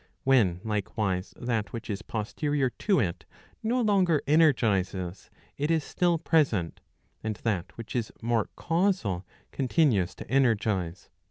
When likewise that which is posterior to it no longer energizes, it is still present, and that which is more causal continues to energize.